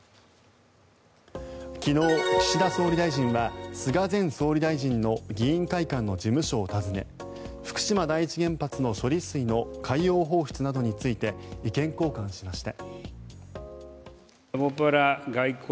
昨日、岸田総理大臣は菅前総理大臣の議員会館の事務所を訪ね福島第一原発の処理水の海洋放出などについて意見交換しました。